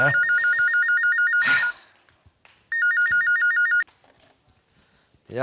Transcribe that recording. siapa lagi sih ini ya